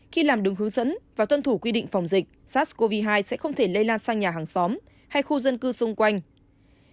khi làm đường hướng dẫn và tuân thủ quy định phòng dịch sars cov hai sẽ không thể lây lan sang nhà hàng xóm hay khu dân cư xung quanh